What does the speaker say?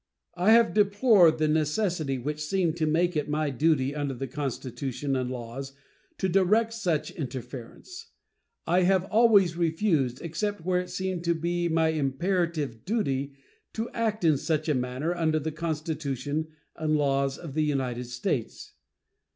I have deplored the necessity which seemed to make it my duty under the Constitution and laws to direct such interference. I have always refused except where it seemed to be my imperative duty to act in such a manner under the Constitution and laws of the United States.